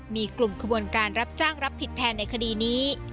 มีกลุ่มขบวนการรับจ้างรับผิดแทนในคดีนี้